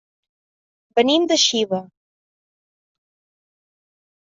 Venim de Xiva.